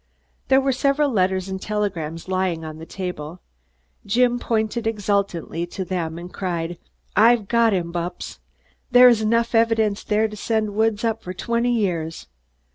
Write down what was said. There were several letters and telegrams lying on the table. Jim pointed exultantly to them and cried: "I've got him, Bupps! There is enough evidence there to send Woods up for twenty years.